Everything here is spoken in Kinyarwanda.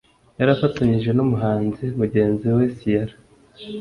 yari afatanyije n’umuhanzi mugenzi we Ciara